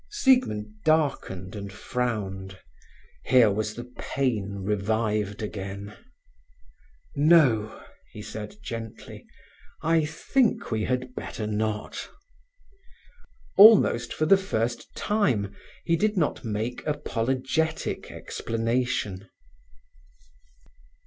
Siegmund darkened and frowned. Here was the pain revived again. "No," he said gently; "I think we had better not." Almost for the first time he did not make apologetic explanation.